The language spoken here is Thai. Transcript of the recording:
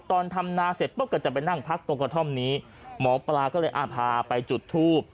ตอนทำนาเสร็จปุ๊บก็จะไปนั่งพักตรงกระท่อมนี้หมอปลาก็เลยอ่าพาไปจุดทูบ